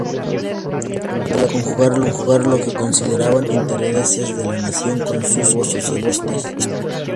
Trataron de conjugar lo que consideraban intereses de la nación con sus objetivos socialistas.